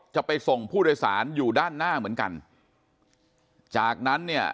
จะไปส่งผู้โดยสารอยู่ด้านหน้าเหมือนกันจากนั้นเนี่ย